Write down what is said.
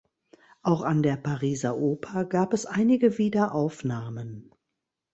Auch an der Pariser Oper gab es einige Wiederaufnahmen.